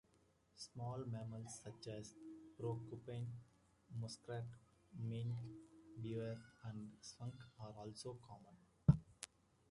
Small mammals such as the porcupine, muskrat, mink, beaver and skunk are also common.